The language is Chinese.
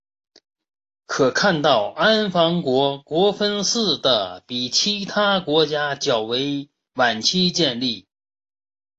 可看到安房国国分寺是比其他国家较为晚期建立。